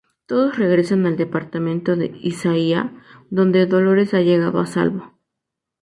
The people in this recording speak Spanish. Todos regresan al departamento de Isaiah, donde Dolores ha llegado a salvo.